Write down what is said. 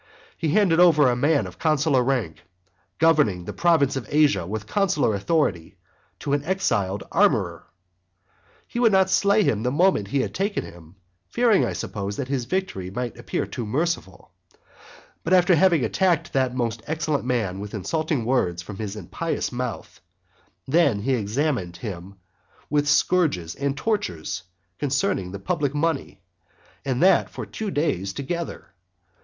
He handed over a man of consular rank, governing the province of Asia with consular authority, to an exiled armourer; he would not slay him the moment that he had taken him, fearing, I suppose, that his victory might appear too merciful; but after having attacked that most excellent man with insulting words from his impious mouth, then he examined him with scourges and tortures concerning the public money, and that for two days together.